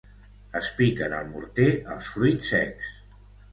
es piquen al morter els fruits secs